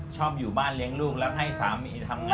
ชอบอยู่บ้านเลี้ยงลูกแล้วให้สามีทำงาน